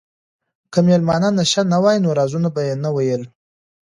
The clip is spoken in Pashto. که مېلمانه نشه نه وای نو رازونه به یې نه ویل.